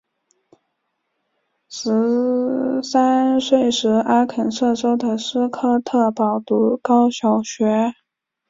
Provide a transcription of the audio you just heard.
十三岁时阿肯色州的斯科特堡读高小学。